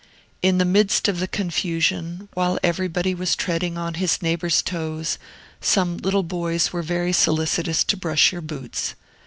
In the midst of the confusion, while everybody was treading on his neighbor's toes, some little boys were very solicitous to brush your boots.